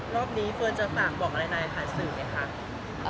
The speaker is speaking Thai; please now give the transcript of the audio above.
รอบนี้เฟิร์นจะฝากบอกอะไรนายผ่านสื่อไหมคะ